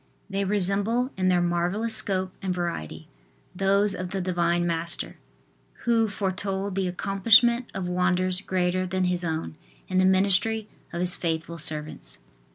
They resemble in their marvellous scope and variety, those of the Divine Master, who foretold the accomplishment of wonders greater than His own in the ministry of His faithful servants.